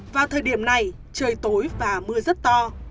vào thời điểm này trời tối và mưa rất to